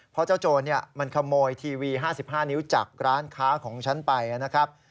เพราะเจ้าโจรมันขโมยทีวี๕๕นิ้วจากร้านค้าของฉันไปนะครับ